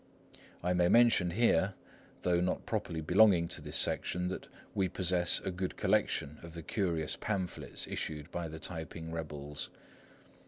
I may mention here, though not properly belonging to this section, that we possess a good collection of the curious pamphlets issued by the T'ai p'ing rebels.